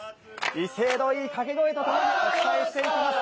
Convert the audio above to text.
威勢のいい、かけ声とともにお伝えしていきます。